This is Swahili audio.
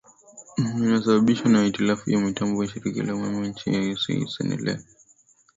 inayosababishwa na hitilafu ya mitambo ya shirika la umeme la nchi hiyo senelel